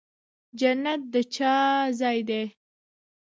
جنت د چا ځای دی؟